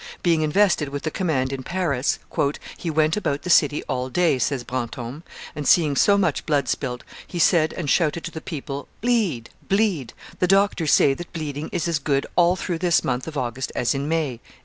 Being invested with the command in Paris, "he went about the city all day," says Brantome, "and, seeing so much blood spilt, he said and shouted to the people, 'Bleed, bleed; the doctors say that bleeding is as good all through this month of August as in May.